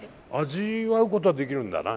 味わうことはできるんだな。